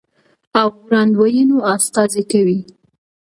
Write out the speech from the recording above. او وړاندوينو استازي کوي،